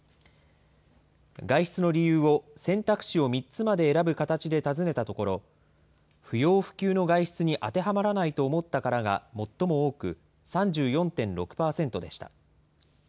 外出の理由を選択肢を３つまで選ぶ形で尋ねたところ、不要不急の外出に当てはまらないと思ったからが最も多く３４．６％でした。